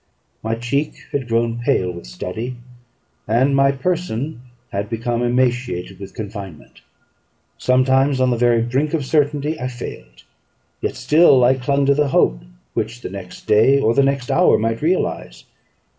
My cheek had grown pale with study, and my person had become emaciated with confinement. Sometimes, on the very brink of certainty, I failed; yet still I clung to the hope which the next day or the next hour might realise.